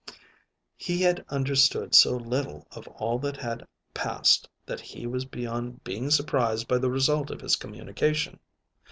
He had understood so little of all that had passed that he was beyond being surprised by the result of this communication.